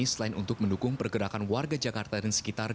selain untuk mendukung pergerakan warga jakarta dan sekitar